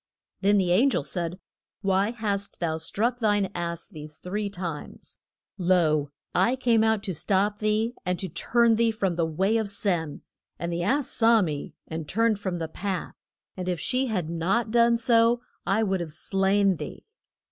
Then the an gel said, Why hast thou struck thine ass these three times? Lo, I came out to stop thee, and to turn thee from the way of sin. And the ass saw me, and turned from the path, and if she had not done so I would have slain thee.